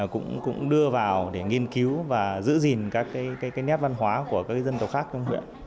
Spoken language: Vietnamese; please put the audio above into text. cũng đưa vào để nghiên cứu và giữ gìn các nét văn hóa của các dân tộc khác trong huyện